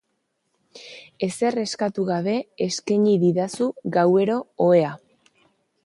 Ezer eskatu gabe eskeini didazu gauero ohea.